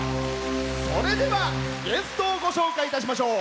それでは、ゲストをご紹介いたしましょう。